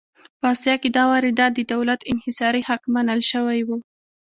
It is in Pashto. په اسیا کې دا واردات د دولت انحصاري حق منل شوي وو.